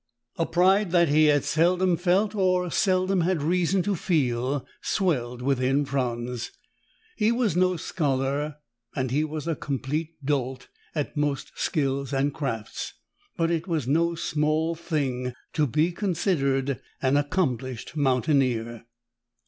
A pride that he had seldom felt or seldom had reason to feel swelled within Franz. He was no scholar and he was a complete dolt at most skills and crafts. But it was no small thing to be considered an accomplished mountaineer.